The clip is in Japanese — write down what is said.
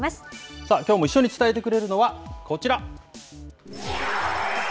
さあ、きょうも一緒に伝えてくれるのは、こちら。